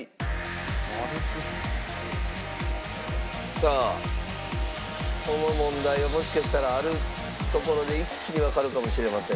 さあこの問題はもしかしたらあるところで一気にわかるかもしれません。